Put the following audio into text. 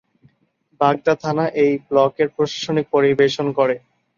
বাগদা থানা এই ব্লকের প্রশাসনিক পরিবেশন করে।